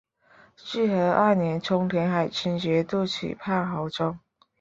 至和二年充镇海军节度使判亳州。